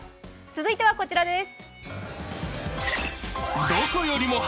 続いては、こちらです。